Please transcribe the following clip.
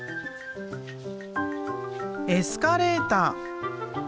エスカレーター。